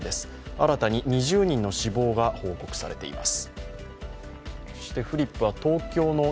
新たに２０人の死亡が報告されています。